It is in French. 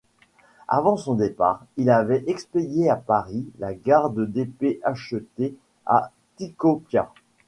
Avant son départ, il avait expédié à Paris la garde d'épée achetée à Tikopia.